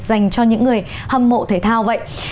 dành cho những người hâm mộ thể thao vậy